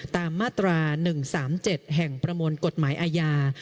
ตามมาตรา๑๓๗แห่งประมวลกฎหมายอาญา